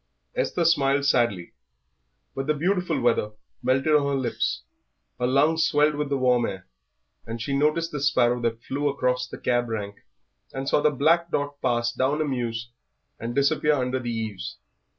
Esther smiled sadly. But the beautiful weather melted on her lips, her lungs swelled with the warm air, and she noticed the sparrow that flew across the cab rank, and saw the black dot pass down a mews and disappear under the eaves.